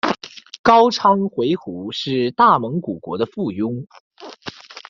高昌回鹘是大蒙古国的附庸。